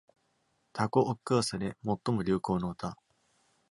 taco ockerse で最も流行の歌